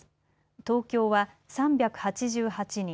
東京は３８８人。